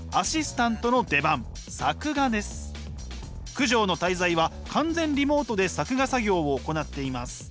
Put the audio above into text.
「九条の大罪」は完全リモートで作画作業を行っています。